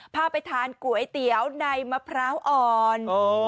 พาไปทานก๋วยเตี๋ยวในมะพร้าวอ่อน